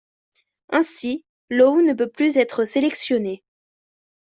Ainsi Low ne peut plus être sélectionné.